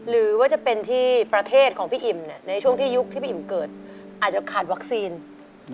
หรือว่าจะเป็นที่ประเทศของพี่อิ่มเนี่ยในช่วงที่ยุคที่พี่อิ่มเกิดอาจจะขาดวัคซีน